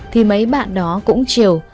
thì mấy bạn đó cũng chịu